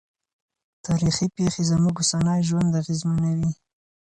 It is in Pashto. تاریخي پېښې زموږ اوسنی ژوند اغېزمنوي.